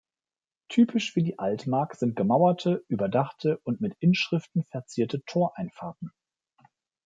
Typisch für die Altmark sind gemauerte, überdachte und mit Inschriften verzierte Toreinfahrten.